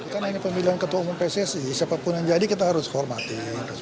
karena ini pemilihan ketua umum pcc siapapun yang jadi kita harus hormati